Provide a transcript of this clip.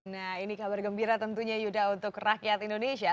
nah ini kabar gembira tentunya yuda untuk rakyat indonesia